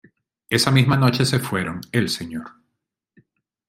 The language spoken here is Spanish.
Esa misma noche se fueron el Sr.